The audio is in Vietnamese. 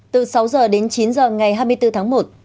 từ sáu h đến chín h ngày hai mươi ba h